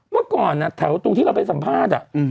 เมื่อก่อนแถวตรงที่เราไปสัมภาษณ์